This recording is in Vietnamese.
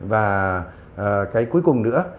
và cái cuối cùng nữa